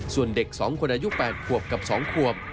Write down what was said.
ส่วนเด็ก๒คนอายุ๘ขวบกับ๒ขวบ